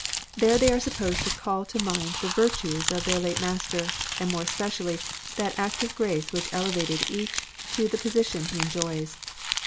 There they are supposed to call to mind the virtues of their late master, and more especially that act of grace which elevated each to the position he enjoys.